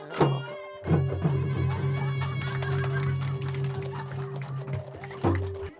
มะพร้าวอ่อนมะพร้าวอ่อน